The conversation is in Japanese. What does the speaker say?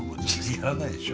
やらないでしょ。